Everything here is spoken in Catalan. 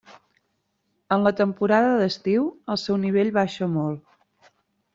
En la temporada d'estiu el seu nivell baixa molt.